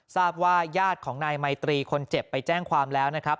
ทราบว่าญาติของนายไมตรีคนเจ็บไปแจ้งความแล้วนะครับ